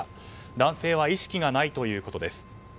男性は意識がないということです。